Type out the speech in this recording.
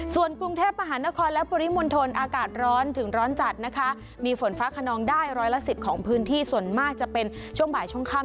ส่วนกรุงเทพมหานครและปริมณฑลอากาศร้อนถึงร้อนจัดนะคะมีฝนฟ้าขนองได้ร้อยละ๑๐ของพื้นที่ส่วนมากจะเป็นช่วงบ่ายช่วงค่ำ